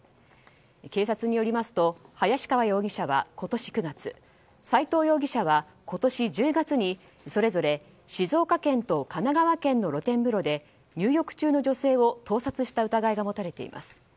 警察によりますと林川容疑者は今年９月斉藤容疑者は今年１０月にそれぞれ静岡県と神奈川県の露天風呂で入浴中の女性を盗撮した疑いが持たれています。